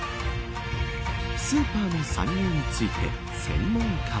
スーパーの参入について専門家は。